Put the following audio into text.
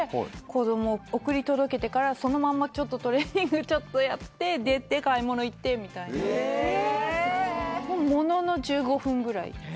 子供送り届けてからそのまんまトレーニングちょっとやって出て買い物行ってみたいなえ